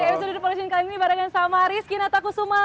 episode the politician kali ini barengan sama risky natakusumah